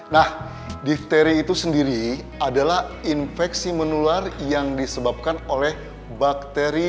nah difteri itu sendiri adalah infeksi menular yang disebabkan oleh bakteri